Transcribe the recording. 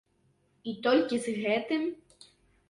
І толькі з гэтым?